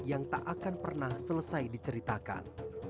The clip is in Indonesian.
yang tak akan pernah selesai diceritakan